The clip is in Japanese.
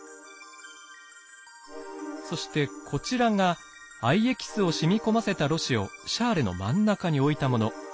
そしてこちらが藍エキスを染み込ませたろ紙をシャーレの真ん中に置いたもの。